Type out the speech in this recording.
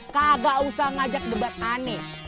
kagak usah ngajak debat aneh